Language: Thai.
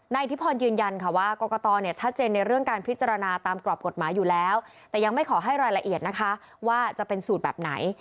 อิทธิพรยืนยันค่ะว่ากรกตเนี่ยชัดเจนในเรื่องการพิจารณาตามกรอบกฎหมายอยู่แล้วแต่ยังไม่ขอให้รายละเอียดนะคะว่าจะเป็นสูตรแบบไหน